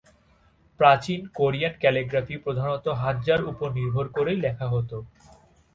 প্রাচীন Korean calligraphy প্রধানত হাঞ্জা-র ওপর নির্ভর করেই লেখা হত।